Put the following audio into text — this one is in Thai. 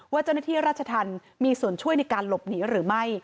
เจ้าหน้าที่ราชธรรมมีส่วนช่วยในการหลบหนีหรือไม่